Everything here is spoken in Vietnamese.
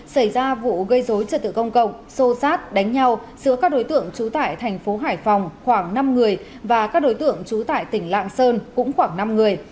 xảy ra vụ gây dối trợ tự công cộng xô sát đánh nhau giữa các đối tượng chủ tải tp hải phòng khoảng năm người và các đối tượng chủ tải tp lạng sơn cũng khoảng năm người